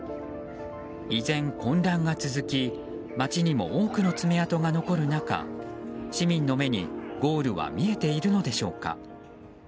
依然、混乱が続き街にも多くの爪痕が残る中市民の目にゴールは見えているのでしょうか。